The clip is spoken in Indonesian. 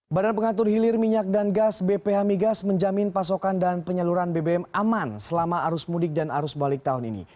badan pengatur hilir minyak dan gas bph migas menjamin pasokan dan penyaluran bbm aman selama arus mudik dan arus balik tahun ini